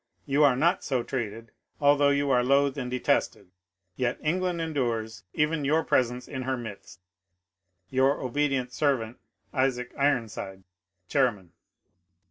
You are not so treated ; although you are loathed and detested, yet England endures even your presence in her midst. Your obedient servant, Isaac Isonside, Chairman.